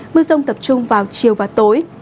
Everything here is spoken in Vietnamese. mưa rông tập trung vào chiều và tối